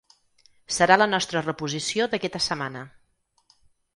Serà la nostra reposició d’aquesta setmana.